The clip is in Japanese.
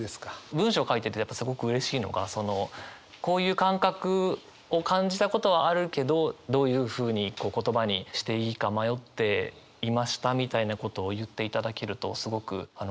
文章を書いててやっぱすごくうれしいのがそのこういう感覚を感じたことはあるけどどういうふうに言葉にしていいか迷っていましたみたいなことを言っていただけるとすごく私もうれしくなるので。